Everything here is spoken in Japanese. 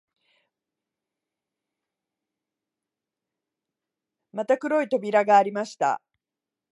また黒い扉がありました